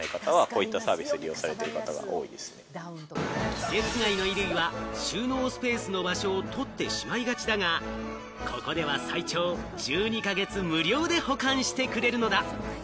季節外の衣類は収納スペースの場所を取ってしまいがちだが、ここでは最長１２か月無料で保管してくれるのだ。